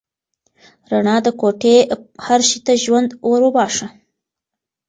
رڼا د کوټې هر شی ته ژوند ور وباښه.